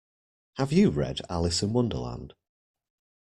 Have you read Alice in Wonderland?